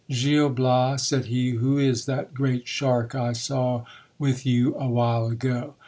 Gil Bias, said he, who is that great shark I saw with you awhile ago